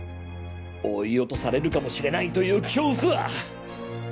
追い落とされるかもしれないという恐怖は。